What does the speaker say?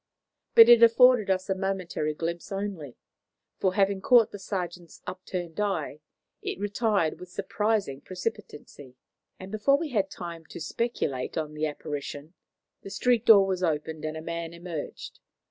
But it afforded us a momentary glimpse only, for, having caught the sergeant's upturned eye, it retired with surprising precipitancy, and before we had time to speculate on the apparition, the street door was opened and a man emerged.